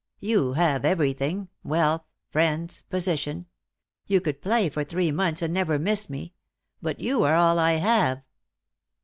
You have everything, wealth, friends, position. You could play for three months and never miss me. But you are all I have."